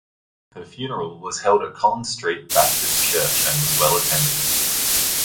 Her funeral was held at Collins Street Baptist Church and was well attended.